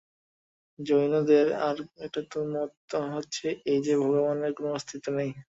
জৈনদের আর একটি মত হচ্ছে এই যে, ভগবানের কোন অস্তিত্ব নেই।